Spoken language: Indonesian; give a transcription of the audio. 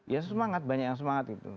ya semangat banyak yang semangat gitu